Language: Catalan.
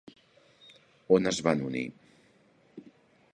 On es van unir?